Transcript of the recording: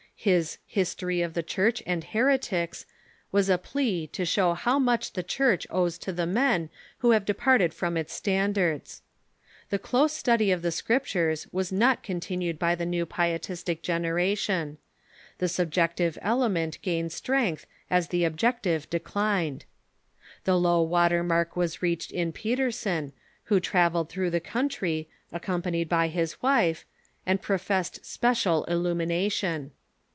His "History of the Church and Heretics" was a plea to show how much the Church owes to the men who have departed from its stand ards. The close study of the Scriptures was not continued by the new Pietistic generation. The subjective element gained strength as the objective declined. The low water mark was reached in Petersen, M'ho travelled through the country, ac 326 THE MODERN CHURCH companied by bis wife, and professed special illumination.